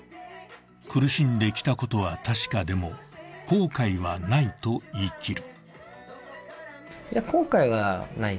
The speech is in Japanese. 苦しんできたことは確かでも後悔はないと言い切る。